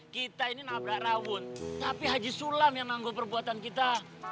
kita ini nabrak rawon tapi haji sulam yang nanggung perbuatan kita